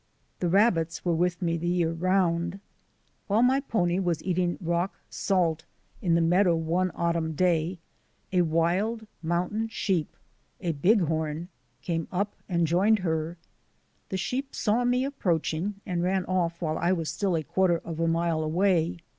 The rabbits were with me the year round. While my pony was eating rock salt in the mea dow one autumn day a wild mountain sheep — a Bighorn — came up and joined her. The sheep saw me approaching and ran off while I was still a quarter of a mile away.